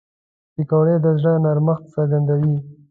پکورې د زړه نرمښت څرګندوي